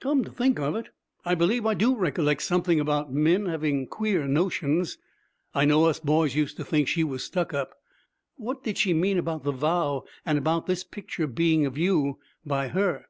'Come to think of it, I believe I do recollect something about Min having queer notions. I know us boys used to think she was stuck up. What did she mean about the vow and about this picture being of you, by her?'